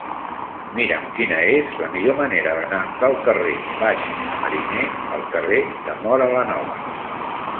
Mira'm quina és la millor manera d'anar del carrer Baix de Mariner al carrer de Móra la Nova.